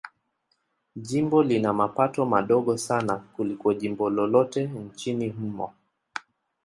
Jimbo lina mapato madogo sana kuliko jimbo lolote nchini humo.